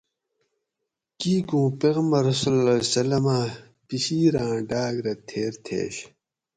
کیکوں پیغمبر (ص) اۤ پِشیراۤں ڈاۤگ رہ تھیر تھیش